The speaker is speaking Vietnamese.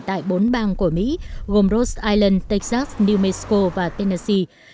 tại bốn bang của mỹ gồm rhode island texas new mexico và tennessee